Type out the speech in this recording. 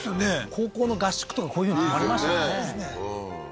高校の合宿とかこういうの泊まりましたもんね